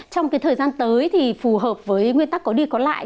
trong cái thời gian tới thì phù hợp với nguyên tắc có đi có lại